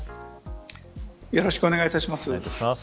よろしくお願いします。